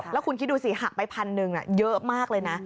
แล้วคุณคิดดูสิหักไป๑๐๐๐เยอะมากเลยนะ